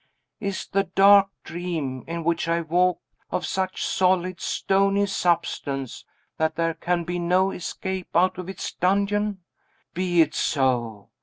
Is the dark dream, in which I walk, of such solid, stony substance, that there can be no escape out of its dungeon? Be it so!